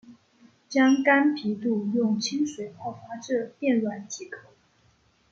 将干皮肚用清水泡发至变软即可。